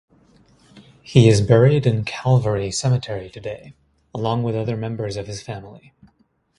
He is buried in Calvary Cemetery today, along with other members of his family.